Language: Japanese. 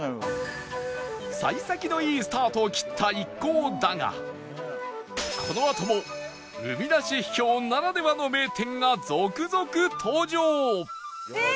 幸先のいいスタートを切った一行だがこのあとも海なし秘境ならではの名店が続々登場！